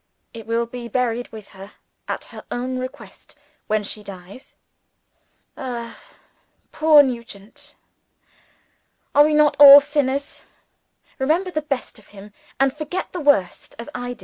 It will be buried with her, at her own request, when she dies. Ah, poor Nugent! Are we not all sinners? Remember the best of him, and forget the worst, as I do.